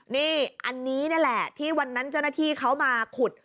นี่อันนี้นี่แหละที่วันนั้นเจ้าหน้าที่เขามาขุด